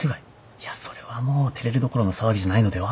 いやそれはもう照れるどころの騒ぎじゃないのでは？